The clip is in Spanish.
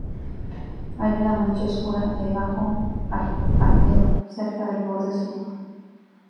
Hay una mancha oscura de bajo albedo cerca del borde sur.